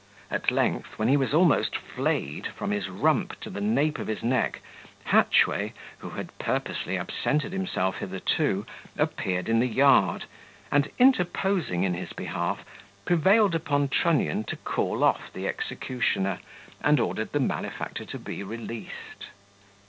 At length, when he was almost flayed from his rump to the nape of his neck, Hatchway, who had purposely absented himself hitherto, appeared in the yard, and interposing in his behalf, prevailed upon Trunnion to call off the executioner, and ordered the malefactor to be released.